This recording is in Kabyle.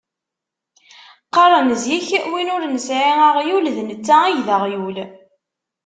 Qqaren zik win ur nesɛi aɣyul, d netta ay d aɣyul.